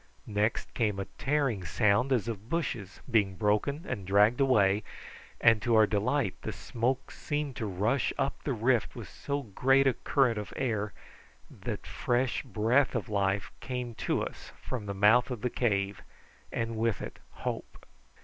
Next came a tearing sound as of bushes being broken and dragged away, and to our delight the smoke seemed to rush up the rift with so great a current of air that fresh breath of life came to us from the mouth of the cave, and with it hope.